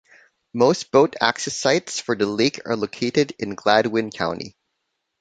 Most boat access sites for the lake are located in Gladwin County.